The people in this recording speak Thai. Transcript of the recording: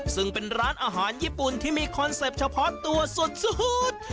ซึ่งเป็นร้านอาหารญี่ปุ่นที่มีคอนเซ็ปต์เฉพาะตัวสุด